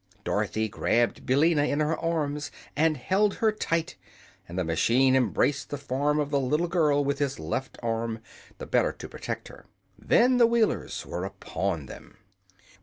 Dorothy grabbed Billina in her arms and held her tight, and the machine embraced the form of the little girl with his left arm, the better to protect her. Then the Wheelers were upon them.